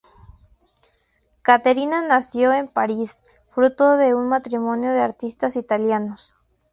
Caterina nació en París, fruto de un matrimonio de artistas italianos.